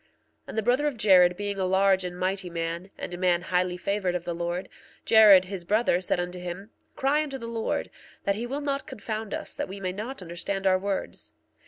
1:34 And the brother of Jared being a large and mighty man, and a man highly favored of the Lord, Jared, his brother, said unto him: Cry unto the Lord, that he will not confound us that we may not understand our words.